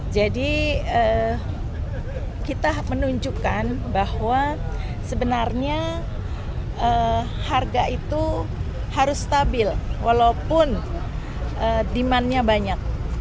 jadi kita menunjukkan bahwa sebenarnya harga itu harus stabil walaupun demand nya banyak